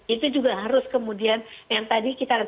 itu juga harus kemudian yang tadi kita lihat